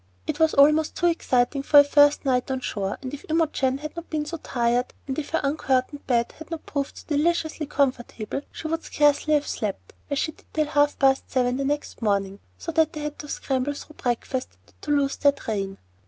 It was almost too exciting for a first night on shore, and if Imogen had not been so tired, and if her uncurtained bed had not proved so deliciously comfortable, she would scarcely have slept as she did till half past seven the next morning, so that they had to scramble through breakfast not to lose their train.